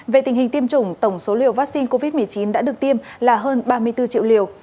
về tình hình tiêm chủng tổng số liều vaccine covid một mươi chín đã được tiêm là hơn ba mươi bốn triệu liều